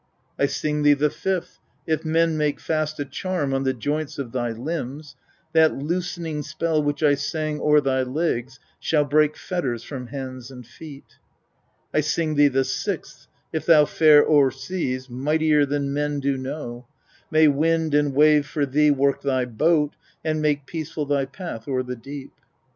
I sing thee the fifth : if men maKe fast a charm on the joints of thy limbs, that loosening spell which I sin^ o'er thy legs shall break fetters from hands and feet. 11. I sing thee the sixth : if thou fare o'er seas mightier than men do know, may wind and wa\e for thee work thy boat, and make peaceful thy path o'er the deep. 12.